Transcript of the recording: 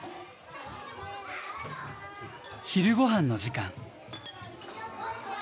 昼ごはんの時間。